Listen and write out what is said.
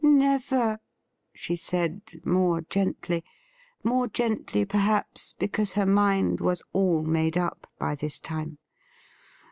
' Never !' she said more gently — more gently perhaps because her mind was all made up by this time.